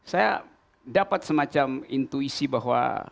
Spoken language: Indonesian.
saya dapat semacam intuisi bahwa